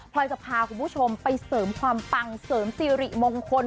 พอยจะพาคุณผู้ชมไปเสริมความปังเสริมสิริมงคล